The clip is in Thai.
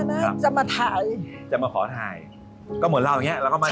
นะครับจะมาถ่ายจะมาขอถ่ายก็เหมือนเราอย่างเงี้ยแล้วก็มา